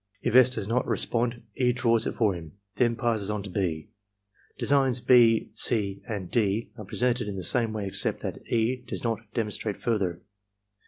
If S. does not re spond, E. draws it for him, then passes on to (6). Designs (6), (c), and (d) are presented in the same way except that E. does not demonstrate further.